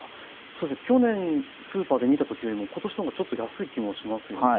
そうですね去年スーパーで見た時よりも今年の方がちょっと安い気もしますよね。